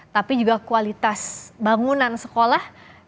tapi juga kualitas bangunan sekolah